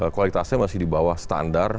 kualitasnya masih di bawah standar